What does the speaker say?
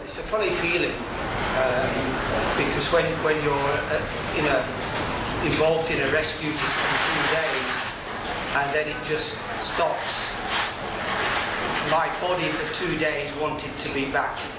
ทุกคนต้องเป็นแกครีมแกร่างก่อนสุข